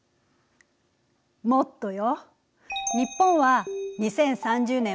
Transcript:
もっとよ。